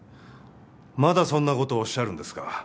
まだそんな事をおっしゃるんですか？